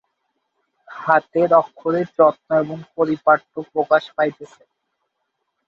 হাতের অক্ষরে যত্ন এবং পারিপাট্য প্রকাশ পাইতেছে।